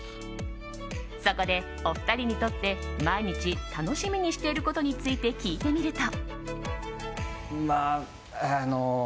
そこでお二人にとって、毎日楽しみにしていることについて聞いてみると。